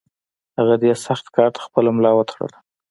هغه دې سخت کار ته خپله ملا وتړله.